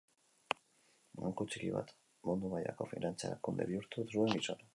Banku txiki bat mundu mailako finantza-erakunde bihurtu zuen gizona.